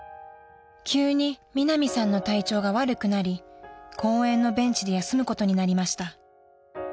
［急にミナミさんの体調が悪くなり公園のベンチで休むことになりました］